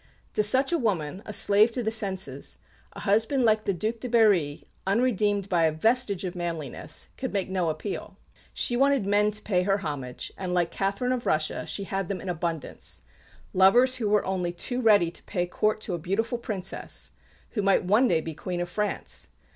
To such a woman, a slave to the senses, a husband like the Duc de Berry, unredeemed by a vestige of manliness, could make no appeal. She wanted "men" to pay her homage; and, like Catherine of Russia, she had them in abundance lovers who were only too ready to pay court to a beautiful Princess, who might one day be Queen of France.